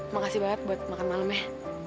makasih banget buat makan malamnya